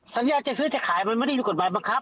สัญญาจะซื้อจะขายมันไม่ได้มีกฎหมายบังคับ